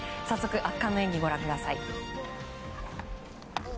早速圧巻の演技、ご覧ください。